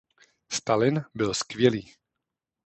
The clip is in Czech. Stalin byl skvělý.